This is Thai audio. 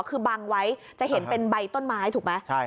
คือบังไว้จะเห็นเป็นใบต้นไม้ถูกไหม